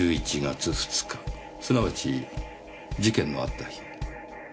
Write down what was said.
すなわち事件のあった日。